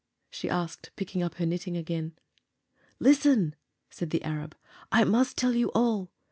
she asked, picking up her knitting again. "Listen!" said the Arab. "I must tell you all.